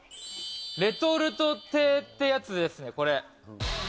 レトルト亭ってやつですね、これ。